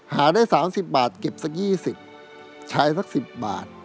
หาได้สามสิบบาทเก็บสักยี่สิบใช้สักสิบบาท